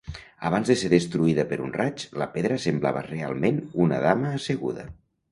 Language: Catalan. Abans de ser destruïda per un raig, la pedra semblava realment una dama asseguda.